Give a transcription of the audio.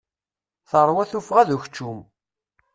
Terwa tuffɣa d ukeččum.